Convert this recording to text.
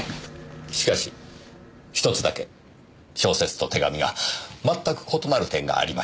しかしひとつだけ小説と手紙が全く異なる点がありました。